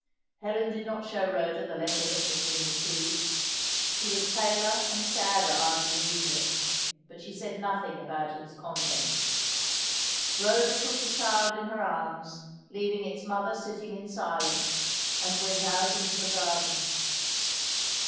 '" Helen did not show Rhoda the letter that had been received. She was paler and sadder after reading it, but she said nothing about its contents. Rhoda took the child in her arms, leaving its mother sitting in silence, and went out into the garden.